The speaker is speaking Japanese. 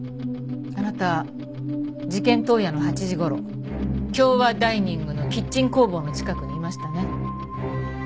あなた事件当夜の８時頃京和ダイニングのキッチン工房の近くにいましたね。